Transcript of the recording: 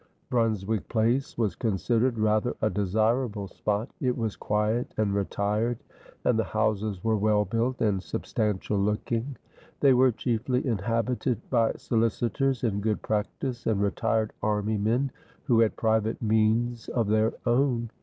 Brunswick Place was considered rather a desirable spot; it was quiet and retired, and the houses were well built and substantial looking. They were chiefly inhabited by solicitors in good practice, and retired army men who had private means of their own.